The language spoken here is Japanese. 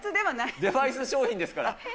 デバイス商品ですから。